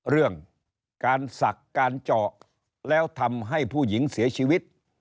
เรื่องการศักดิ์การเจาะแล้วทำให้ผู้หญิงเสียชีวิต